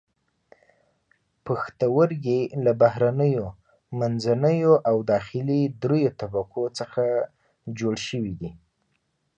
پښتورګي له بهرنیو، منځنیو او داخلي دریو طبقو څخه جوړ شوي دي.